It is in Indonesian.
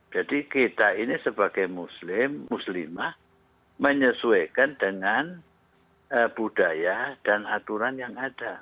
jadi kita ini sebagai muslim muslimah menyesuaikan dengan budaya dan aturan yang ada